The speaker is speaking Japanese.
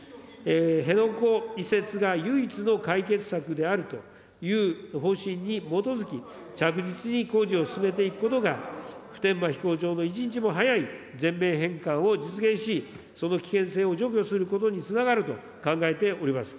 辺野古移設が唯一の解決策であるという方針に基づき、着実に工事を進めていくことが、普天間飛行場の一日も早い全面返還を実現し、その危険性を除去することにつながると考えております。